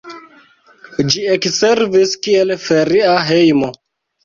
Ĝi ekservis kiel feria hejmo.